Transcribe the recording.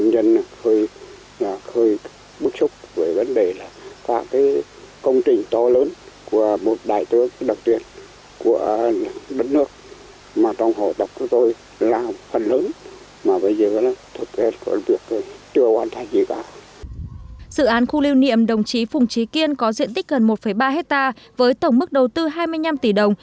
dự án khu lưu niệm đồng chí phùng trí kiên có diện tích gần một ba hectare với tổng mức đầu tư hai mươi năm tỷ đồng